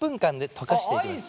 溶かしていきます。